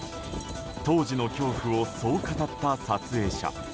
当時の恐怖をそう語った撮影者。